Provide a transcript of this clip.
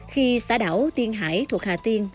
khi xá đảo tiên hải thuộc hà tiên